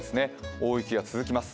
大雪が続きます。